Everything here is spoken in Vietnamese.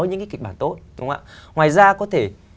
những kịch bản tốt ngoài ra có thể